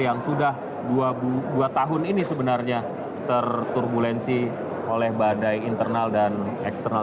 yang sudah dua tahun ini sebenarnya terturbulensi oleh badai internal dan eksternal